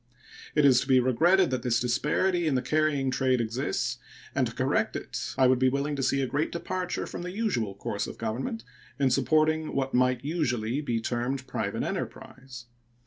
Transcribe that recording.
It is to be regretted that this disparity in the carrying trade exists, and to correct it I would be willing to see a great departure from the usual course of Government in supporting what might usually be termed private enterprise.